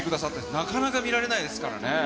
なかなか見られないですからね。